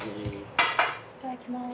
いただきます。